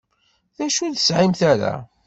D acu ur tesɛimt ara?